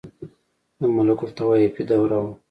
• د ملوکالطوایفي دوره وه.